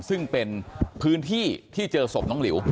ซึ่งเป็นพื้นที่ที่เจอศพน้องหลิว